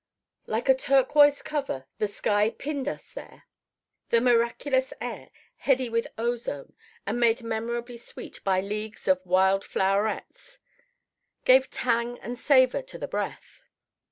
Like a turquoise cover the sky pinned us there. The miraculous air, heady with ozone and made memorably sweet by leagues of wild flowerets, gave tang and savour to the breath.